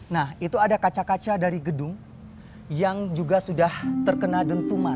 nah itu ada kaca kaca dari gedung yang juga sudah terkena dentuman